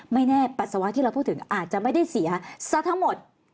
ไม่แน่ปัสสาวะที่เราพูดถึงอาจจะไม่ได้เสียซะทั้งหมด